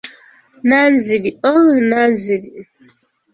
Nanziri oh Nanziri!